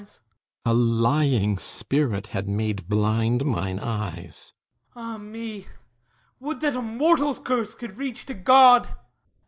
THESEUS A lying spirit had made blind mine eyes! HIPPOLYTUS Ah me! Would that a mortal's curse could reach to God!